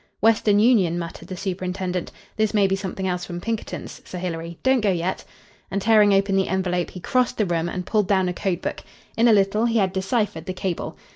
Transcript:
"Western Union," muttered the superintendent. "This may be something else from Pinkerton's, Sir Hilary. Don't go yet." And, tearing open the envelope, he crossed the room and pulled down a code book. In a little he had deciphered the cable.